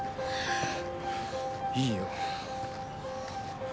いいよ。